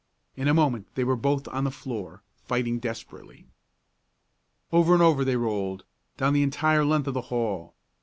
In a moment they were both on the floor, fighting desperately. Over and over they rolled, down the entire length of the hall.